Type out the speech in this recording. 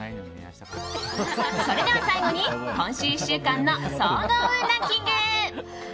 それでは、最後に今週１週間の総合運ランキング。